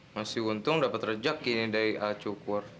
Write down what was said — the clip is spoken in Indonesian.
masih untung dapat rejak ini dari alat cukur